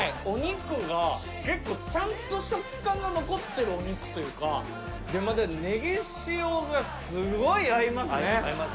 お肉が結構ちゃんと食感が残ってるお肉というか、またネギ塩がすごい合いますね。